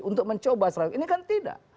untuk mencoba serawat ini kan tidak